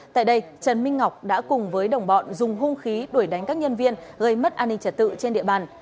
tại đây trần minh ngọc đã cùng với đồng bọn dùng hung khí đuổi đánh các nhân viên gây mất an ninh trật tự trên địa bàn